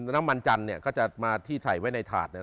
น้ำมันจันทร์เนี่ยก็จะมาที่ใส่ไว้ในถาดเนี่ย